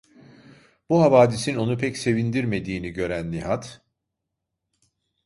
Bu havadisin onu pek sevindirmediğini gören Nihat: